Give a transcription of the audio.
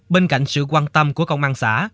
bên cạnh sự quan tâm của công an xã